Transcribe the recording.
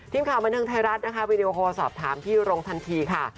ทีมข่าวบันเทิงไทยรัฐนะคะวีดีโอคอลสอบถามพี่โรงทันทีค่ะ